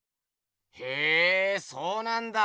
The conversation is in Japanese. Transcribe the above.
へえそうなんだ。